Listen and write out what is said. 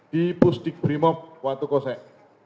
di pusdik brimob waktu kosek